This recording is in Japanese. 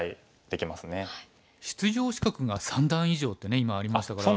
出場資格が３段以上ってね今ありましたから。